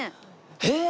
へえ。